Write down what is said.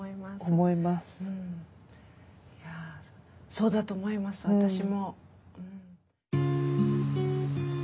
そうだと思います私も。